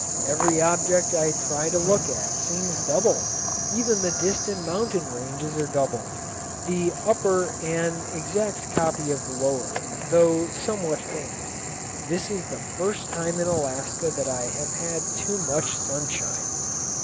Every object I try to look at seems double; even the distant mountain ranges are doubled, the upper an exact copy of the lower, though somewhat faint. This is the first time in Alaska that I have had too much sunshine.